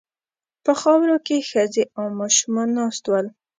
په خاورو کې ښځې او ماشومان ناست ول.